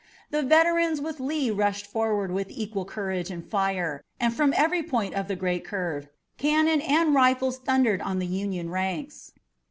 The veterans with Lee rushed forward with equal courage and fire, and from every point of the great curve cannon and rifles thundered on the Union ranks.